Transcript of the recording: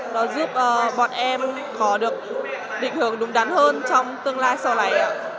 nó giúp bọn em có được định hướng đúng đắn hơn trong tương lai sau này ạ